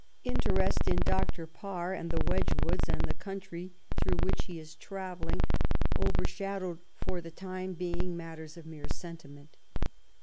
Interest in Dr. Parr and the Wedg woods and the country through which he was travel LAST MONTHS: DEATH. 199 ling ovjBrshadowed for the time being matters of mere sentiment.